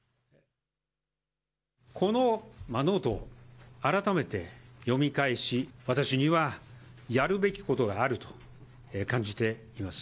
このノートを改めて読み返し、私にはやるべきことがあると感じています。